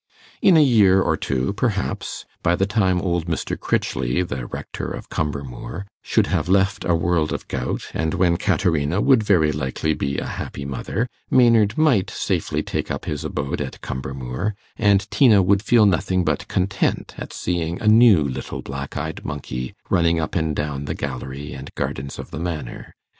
In a year or two, perhaps, by the time old Mr. Crichley, the rector of Cumbermoor, should have left a world of gout, and when Caterina would very likely be a happy mother, Maynard might safely take up his abode at Cumbermoor, and Tina would feel nothing but content at seeing a new 'little black eyed monkey' running up and down the gallery and gardens of the Manor.